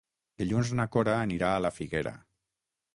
Dilluns na Cora anirà a la Figuera.